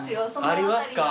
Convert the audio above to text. ありますか？